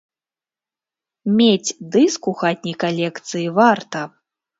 Мець дыск у хатняй калекцыі варта.